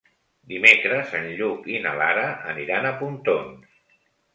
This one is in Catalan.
Dimecres en Lluc i na Lara aniran a Pontons.